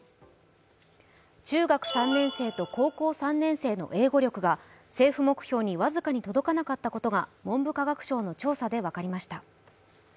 中学３年生と高校３年生の英語力が政府目標に僅かに届かなかったことが文部科学省の調査で分かりました。